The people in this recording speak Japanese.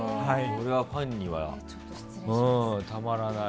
ファンにはたまらない。